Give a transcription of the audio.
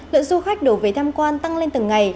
lượng du khách đổ về tham quan tăng lên từng ngày